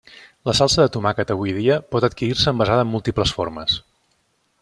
La salsa de tomàquet avui dia pot adquirir-se envasada en múltiples formes.